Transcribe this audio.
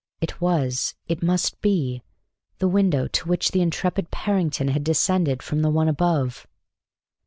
It was, it must be, the window to which the intrepid Parrington had descended from the one above.